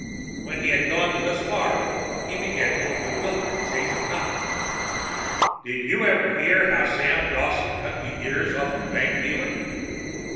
When he had gone thus far he began with a bewildering change of topic. "Did you ever hear how Dawson Sam cut the ears off a bank dealer?"